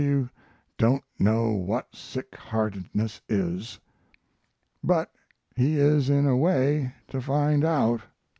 W don't know what sick heartedness is but he is in a way to find out.